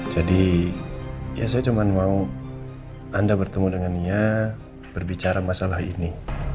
jadi ya saya cuma mau anda bertemu dengan nia berbicara masalah ini